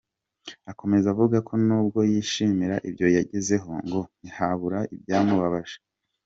Akomeza avuga ko n’ubwo yishimira ibyo yagezeho ngo ntihabura ibyamubabaje.